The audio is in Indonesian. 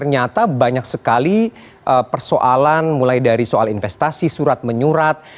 rotates dia itu adalah persoalan mulai dari soal investasi surat menyurat